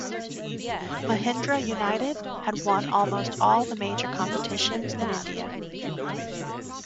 Mahindra United had won almost all the major competitions in India.